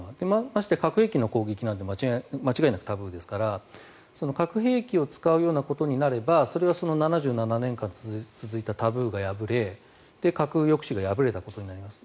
まして核兵器の攻撃なんて間違いなくタブーですから核兵器を使うようなことになればそれは７７年間続いたタブーが破れ、核抑止が破れたことになります。